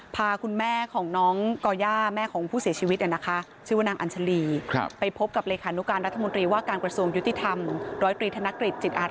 พาคุณแม่ของน้องก่อย่ายาแม่ของผู้เสียชีวิต